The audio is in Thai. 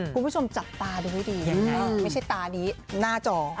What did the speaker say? คุณผู้ชมจับตาดูให้ดียังไงไม่ใช่ตานี้หน้าจอ